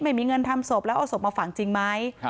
ไม่มีเงินทำศพแล้วเอาศพมาฝังจริงไหม